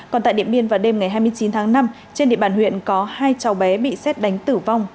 còn tại điện biên vào đêm ngày hai mươi chín tháng năm trên địa bàn huyện có hai cháu bé bị xét đánh tử vong